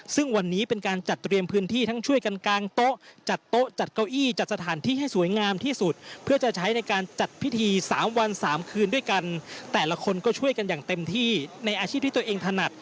ซึ่งวันนี้เป็นการจัดเตรียมพื้นที่ทั้งช่วยกันกางโต๊ะ